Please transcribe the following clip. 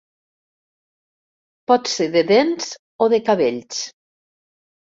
Pot ser de dents o de cabells.